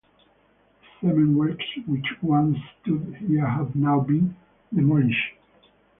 The cement works which once stood here have now been demolished.